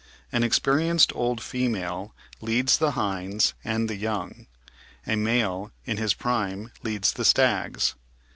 An experienced old female leads the hinds and the young; a male in his prime leads the stags.